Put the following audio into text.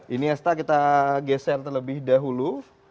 iniesta kita geser terlebih dahulu